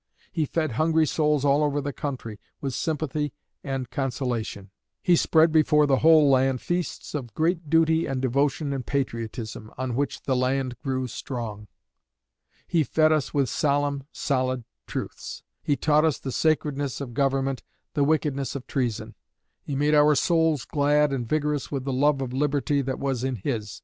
He fed hungry souls all over the country with sympathy and consolation. He spread before the whole land feasts of great duty and devotion and patriotism on which the land grew strong. He fed us with solemn, solid truths. He taught us the sacredness of government, the wickedness of treason. He made our souls glad and vigorous with the love of Liberty that was in his.